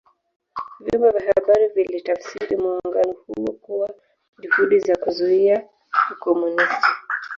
Vyombo vya habari vilitafsiri muungano huo kuwa juhudi za kuzuia Ukomunisti